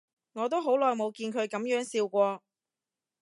我都好耐冇見佢噉樣笑過